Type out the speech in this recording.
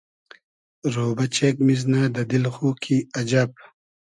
رۉبۂ چېگ میزنۂ دۂ دیل خو کی اجئب